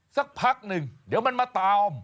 สักพักหนึ่งเดี๋ยวมันมาตาม